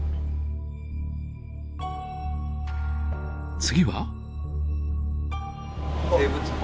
次は。